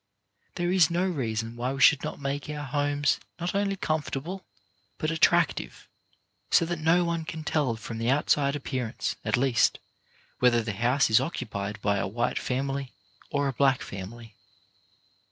There is no reason why we should not make our homes not only comfortable, but attractive, so that no one can tell from the outside appearance, at least, whether the house is occupied by a white family or a black family.